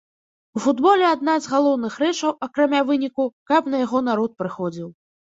У футболе адна з галоўных рэчаў акрамя выніку, каб на яго народ прыходзіў.